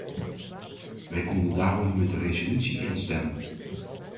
Wij konden daarom met de resolutie instemmen.